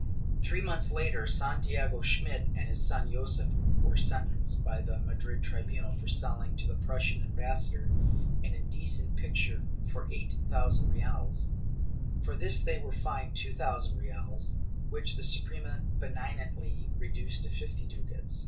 Three months later, Santiago Schmidt and his son Josef were sentenced, by the Madrid tribunal, for selling to the Prussian ambassador an indecent picture for eight thousand reales; for this they were fined two thousand reales, which the Suprema benignantly reduced to fifty ducats.